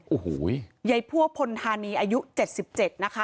อุ้หูยยายพ่อพลธานีอายุ๗๗นะคะ